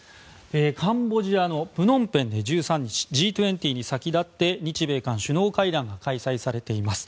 カンボジアのプノンペンで１３日Ｇ２０に先立って日米韓首脳会談が開催されています。